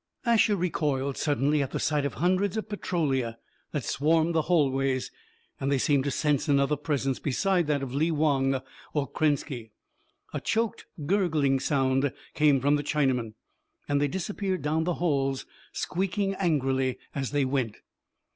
Asher recoiled suddenly at the sight of hundreds of Petrolia that swarmed the hallways, and they seemed to sense another presence beside that of Lee Wong or Krenski. A choked, gurgling sound came from the Chinaman, and they disappeared down the halls, squeaking angrily as they went.